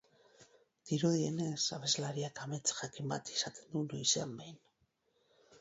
Dirudienez, abeslariak amets jakin bat izaten du noizean behin.